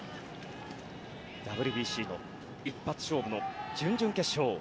ＷＢＣの一発勝負の準々決勝。